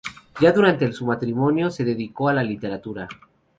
Ya durante su matrimonio se dedicó a la literatura.